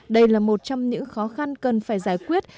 đây là một trong những khó khăn cần phải giải quyết